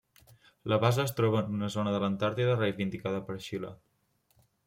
La base es troba en una zona de l'Antàrtida reivindicada per Xile.